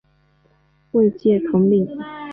位阶统领。